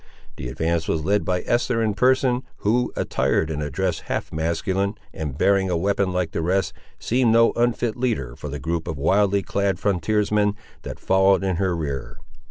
The advance was led by Esther in person, who, attired in a dress half masculine, and bearing a weapon like the rest, seemed no unfit leader for the group of wildly clad frontiermen, that followed in her rear.